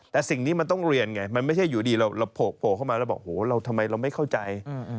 แต่สิ่งนี้มันต้องเรียนไงมันไม่ใช่อยู่ดีเราโผล่เข้ามาแล้วบอกโหเราทำไมเราไม่เข้าใจ